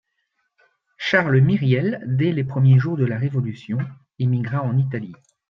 Charles Myriel, dès les premiers jours de la révolution, émigra en Italie